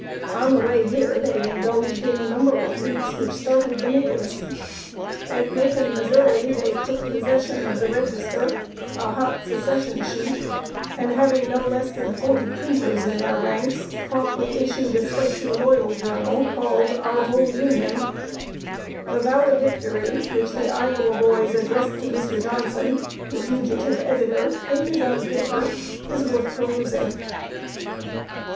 On the way here, they indulged in a number of freaks which startled the natives. At Macon, Mo., they took possession of The Register, a hot Secession sheet, and, having no less than forty printers in their ranks, promptly issued a spicy loyal journal, called Our Whole Union. The valedictory, which the Iowa boys addressed to Mr. Johnson, the fugitive editor, in his own paper, is worth perusing.